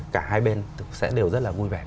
cả hai bên sẽ đều rất là vui vẻ